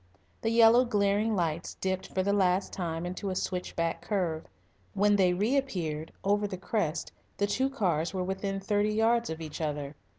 The yellow, glaring lights dipped for the last time into a switchback curve. When they reappeared over the crest the two cars were within thirty yards of each other.